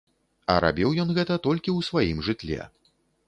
А рабіў ён гэта толькі ў сваім жытле.